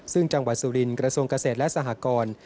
ซึ่งจังหวัดสุรินทร์กระทรวงเกษตรและสหกร